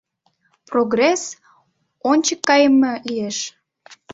Прогресс — ончык кайыме лиеш.